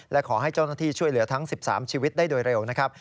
และขอให้เจ้าหน้าที่ช่วยเหลือทั้ง๑๓ชีวิตได้โดยเร็วนะครับ